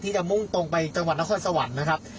จะมุ่งตรงไปจังหวัดนครสวรรค์นะครับ